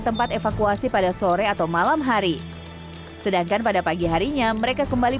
tempat evakuasi pada sore atau malam hari sedangkan pada pagi harinya mereka kembali